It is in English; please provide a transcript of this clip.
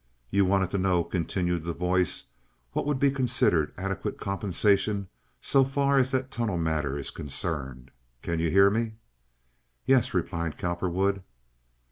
"You wanted to know," continued the voice, "what would be considered adequate compensation so far as that tunnel matter is concerned. Can you hear me?" "Yes," replied Cowperwood.